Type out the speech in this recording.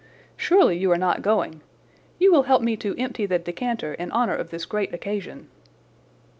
Surely you are not going! You will help me to empty the decanter in honour of this great occasion!"